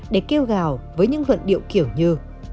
để kêu gào với những luận điệu kiểu như